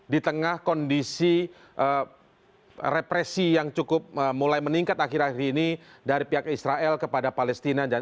di tengah kondisi represi yang cukup mulai meningkat akhir akhir ini dari pihak israel kepada palestina